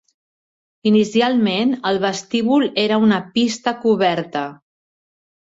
Inicialment, el vestíbul era una pista coberta.